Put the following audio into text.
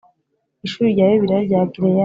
Ishuri rya Bibiliya rya Gileyadi